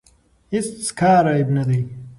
هیڅ کار عیب نه دی.